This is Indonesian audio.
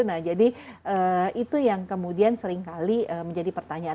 nah jadi itu yang kemudian seringkali menjadi pertanyaan